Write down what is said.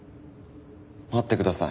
待ってください。